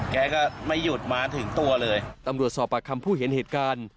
แกก็ไม่หยุดมาถึงตัวเลยตำรวจสอบปากคำผู้เห็นเหตุการณ์